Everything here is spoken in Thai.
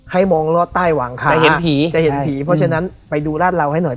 ให้มองรอดใต้หว่างขาจะเห็นผีเพราะฉะนั้นไปดูราดราวให้หน่อย